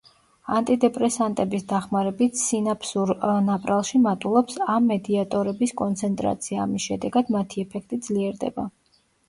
ანტიდეპრესანტების დახმარებით სინაფსურ ნაპრალში მატულობს ამ მედიატორების კონცენტრაცია, ამის შედეგად მათი ეფექტი ძლიერდება.